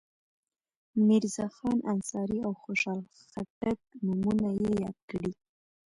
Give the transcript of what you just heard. میرزاخان انصاري او خوشحال خټک نومونه یې یاد کړي.